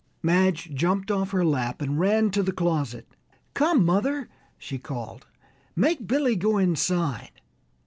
Madge jumped off her lap and ran to the closet. "Come, mother," she called, "make Billy go inside!"